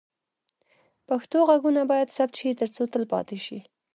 پښتو غږونه باید ثبت شي ترڅو تل پاتې شي.